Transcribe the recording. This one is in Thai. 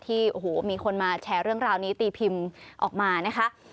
ที่โอ้โหมีคนมาแชร์เรื่องราวนี้ตีพิมพ์ออกมานะคะ